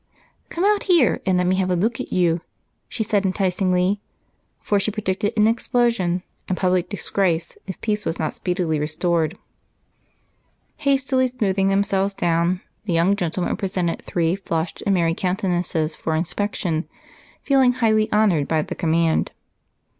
"Come out here and let me have a look at you," she said enticingly, for she predicted an explosion and public disgrace if peace was not speedily restored. Hastily smoothing themselves down, the young gentlemen presented three flushed and merry countenances for inspection, feeling highly honored by the command.